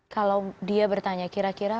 kalau dia bertanya kira kira